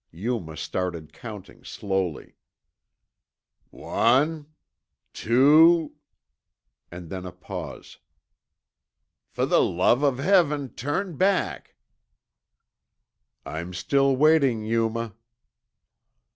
Yuma started counting slowly. "One ... two ..." And then a pause. "Fer the love of Heaven, turn back." "I'm still waiting, Yuma."